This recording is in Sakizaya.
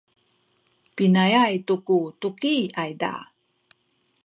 pinaay tu ku tuki ayza?